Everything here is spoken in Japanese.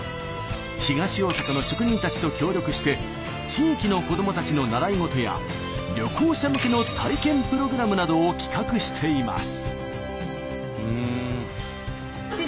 東大阪の職人たちと協力して地域の子どもたちの習い事や旅行者向けの体験プログラムなどを企画しています。